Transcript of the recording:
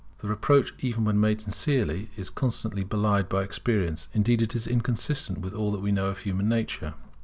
The reproach, even when made sincerely, is constantly belied by experience, indeed it is inconsistent with all that we know of human nature.